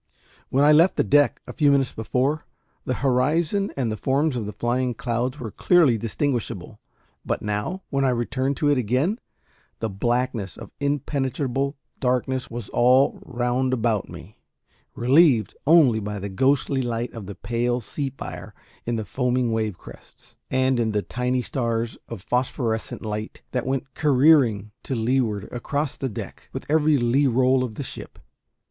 When I left the deck a few minutes before, the horizon and the forms of the flying clouds were clearly distinguishable; but now, when I returned to it again, the blackness of impenetrable darkness was all round about me, relieved only by the ghostly light of the pale seafire in the foaming wave crests, and in the tiny stars of phosphorescent light that went careering to leeward across the deck with every lee roll of the ship.